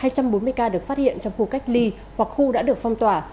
hai trăm bốn mươi ca được phát hiện trong khu cách ly hoặc khu đã được phong tỏa